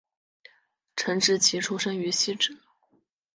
陈植棋出生于汐止